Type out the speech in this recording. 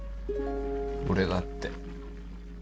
俺だって。